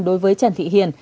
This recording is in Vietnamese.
đối với trần thị hiền